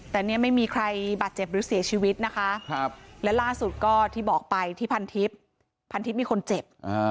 ที่บอกไปที่พันทิศพันทิศมีคนเจ็บ